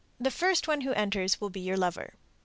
The first one who enters will be your lover.